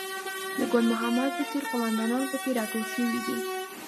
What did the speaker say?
د ګل محمد په څېر قوماندانان په کې راټول شوي دي.